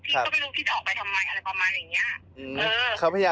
ถ้าเธอมาโทรมาแบบ